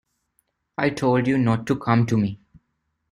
I told you not to come to me!